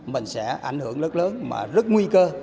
mình sẽ ảnh hưởng rất lớn mà rất nguy cơ